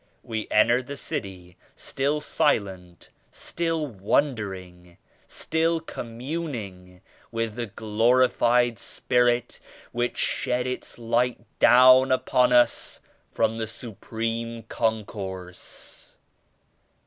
We entered the city, still silent, still wondering, still communing with the Glorified Spirit which shed Its Light down upon us from the Supreme Concourse.